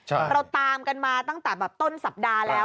เราตามกันมาตั้งแต่แบบต้นสัปดาห์แล้ว